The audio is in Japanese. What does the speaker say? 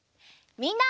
みんな。